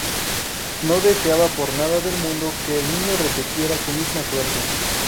No deseaba por nada del mundo que el niño repitiera su misma suerte.